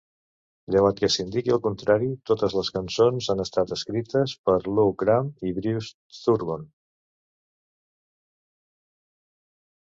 Llevat que s'indiqui el contrari, totes les cançons han estat escrites per Lou Gramm i Bruce Turgon.